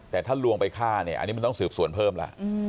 แต่ถ้าลวงไปฆ่าเนี่ยอันนี้มันต้องสืบสวนเพิ่มแล้ว